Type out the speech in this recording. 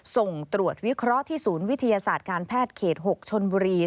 ส่งตรวจวิเคราะห์ที่ศูนย์วิทยาศาสตร์การแพทย์เขต๖ชนบุรี